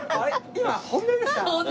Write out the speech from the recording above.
今本音でした？